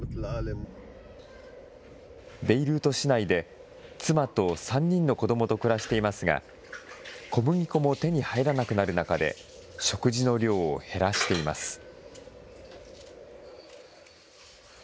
ベイルート市内で妻と３人の子どもと暮らしていますが小麦粉も手に入らなくなる中で食事の量を減らしています。